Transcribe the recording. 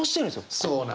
そうなのよ。